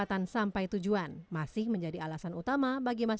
rp delapan ratus walaupun udah dekat dekat lebaran